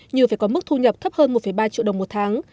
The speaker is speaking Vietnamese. như phải có mức thu nhập thấp hơn một ba triệu đồng một tháng